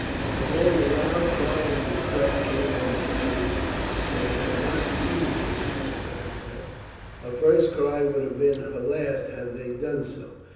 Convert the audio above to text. Again the loud cry of distress came on the night air. "They have not seized her yet," Beric said. "Her first cry would have been her last had they done so.